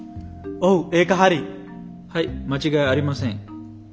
はい間違いありません。